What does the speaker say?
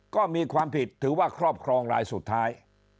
ก็มีความผิดถือว่าครอบครองรายสุดท้าย